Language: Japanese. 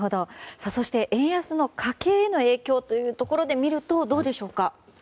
そして、円安の家計への影響というところで見ると、どうでしょうか。